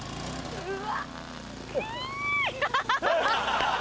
うわ！